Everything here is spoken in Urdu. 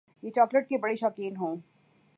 میں چاکلیٹ کی بڑی شوقین ہوں۔